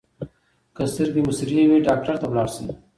که سترګې مو سرې وي ډاکټر ته لاړ شئ.